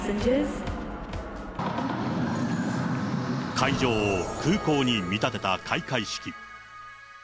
会場を空港に見立てた開会式。